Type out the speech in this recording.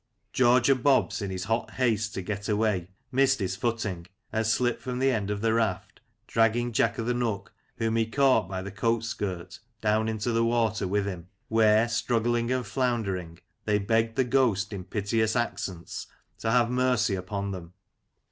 George o' Bob's, in his hot haste to get away, missed his footing, and slipped from the end of the raft, dragging Jack o'th' Nook, whom he caught by the coat skirt, down into the water with him, where, struggling and floundering, they begged the ghost, in piteous accents, to have mercy upon them.